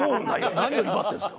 何を威張ってるんですか？